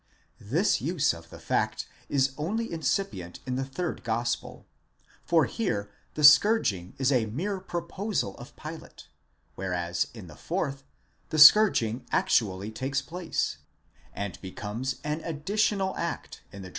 This use of the fact is only incipient in the third gospel, for here the scourging is a mere proposal of Pilate : whereas in the fourth, the scourging actually takes place, and becomes an additional act πίῃ the drama.